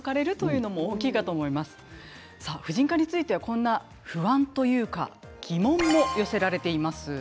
婦人科についてはこんな不安というか疑問も寄せられています。